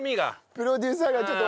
プロデューサーがちょっと。